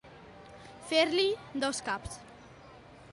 Fer-li dos caps.